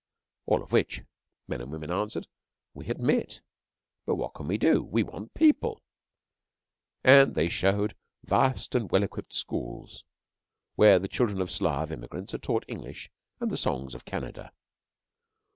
'All of which,' men and women answered, 'we admit. But what can we do? We want people.' And they showed vast and well equipped schools, where the children of Slav immigrants are taught English and the songs of Canada.